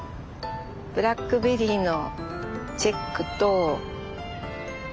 ブラックベリーのチェックと。